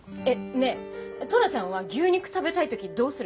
ねえトラちゃんは牛肉食べたい時どうするの？